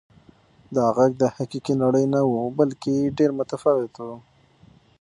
دا غږ د حقیقي نړۍ نه و بلکې ډېر متفاوت و.